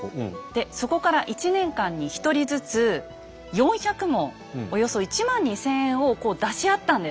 でそこから１年間に１人ずつ４００文およそ１万２，０００円をこう出し合ったんです。